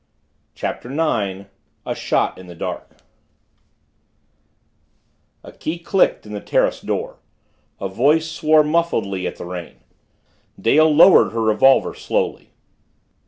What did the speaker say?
CHAPTER NINE A SHOT IN THE DARK A key clicked in the terrace door a voice swore muffledly at the rain. Dale lowered her revolver slowly.